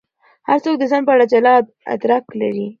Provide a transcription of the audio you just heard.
هر څوک د ځان په اړه جلا ادراک لري.